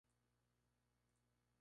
¿no habíais bebido?